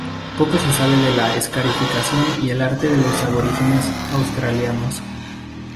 Poco se sabe de la escarificación y el arte de los aborígenes australianos.